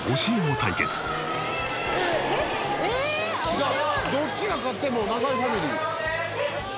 じゃあどっちが勝っても永井ファミリー。